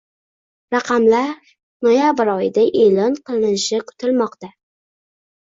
Raqamlar noyabr oyida e'lon qilinishi kutilmoqda